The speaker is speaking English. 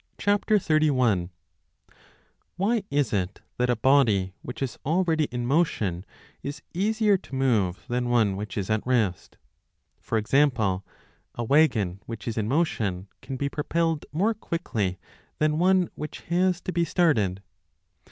i WHY is it that a body which is already in motion is easier to move than one which is at rest ? For example, a wagon which is in motion can be propelled more quickly than 5 one which has to be started.